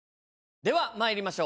ではまいりましょう。